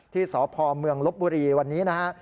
ที่สพเมืองลบบุรีวันนี้นะฮะ